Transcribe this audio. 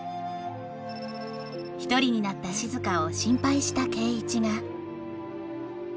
１人になった静を心配した圭一がはい！